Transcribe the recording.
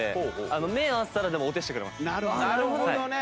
なるほどね！